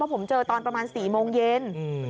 ผมเจอตอนประมาณ๔โมงเย็น